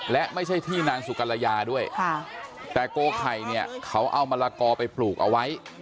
และไม่ใช่ที่นางสุกรยาด้วยแต่โกไข่เนี่ยเขาเอามะละกอไปปลูกเอาไว้